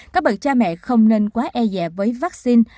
các bậc cha mẹ không nên quá e dè với vaccine